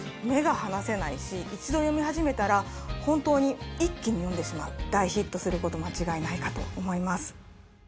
目が離せないし一度読み始めたら本当に一気に読んでしまう大ヒットすること間違いないかと思います